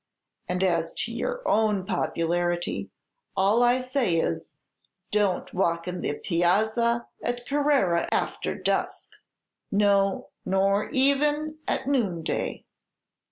And as to your own popularity, all I say is, don't walk in the Piazza at Carrara after dusk. No, nor even at noonday."